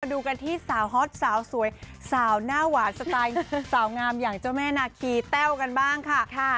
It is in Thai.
ดูกันที่สาวฮอตสาวสวยสาวหน้าหวานสไตล์สาวงามอย่างเจ้าแม่นาคีแต้วกันบ้างค่ะ